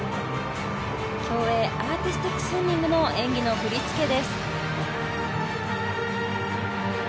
競泳、アーティスティックスイミングの演技の振り付けです。